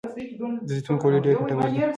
د زیتون غوړي ډیر ګټور دي.